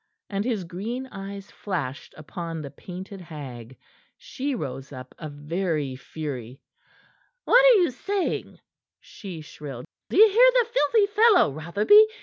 And his green eyes flashed upon the painted hag. She rose up a very fury. "What are you saying?" she shrilled. "D'ye hear the filthy fellow, Rotherby?